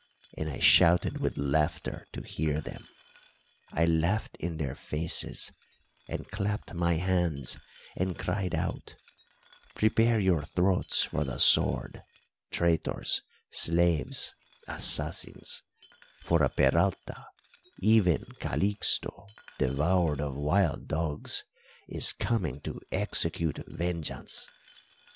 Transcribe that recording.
And I shouted with laughter to hear them. I laughed in their faces, and clapped my hands and cried out, 'Prepare your throats for the sword, traitors, slaves, assassins, for a Peralta even Calixto, devoured of wild dogs is coming to execute vengeance!